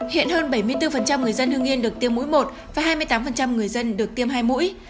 hiện hơn bảy mươi bốn người dân hương yên được tiêm mũi một và hai mươi tám người dân được tiêm hai mũi